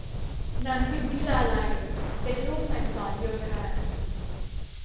นางพิมพิลาไลยเป็นลูกพันศรโยธา